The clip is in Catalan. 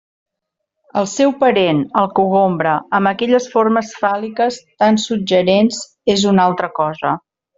El seu parent, el cogombre, amb aquelles formes fàl·liques tan suggerents és una altra cosa.